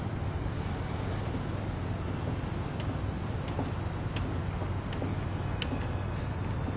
あっ。